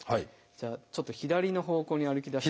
じゃあちょっと左の方向に歩き出して。